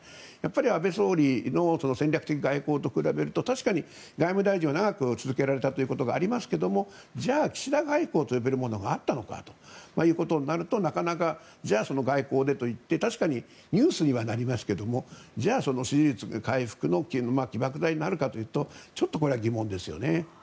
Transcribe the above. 安倍総理の戦略的外交と比べると確かに外務大臣を長く続けられたということがありますがじゃあ岸田外交と呼べるものがあったのかということになるとなかなか、その外交でといって確かにニュースにはなりますがじゃあその支持率回復の起爆剤になるかというとちょっとこれは疑問ですよね。